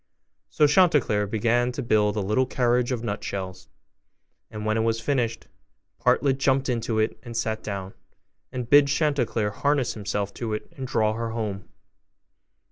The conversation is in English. So Chanticleer began to build a little carriage of nutshells: and when it was finished, Partlet jumped into it and sat down, and bid Chanticleer harness himself to it and draw her home.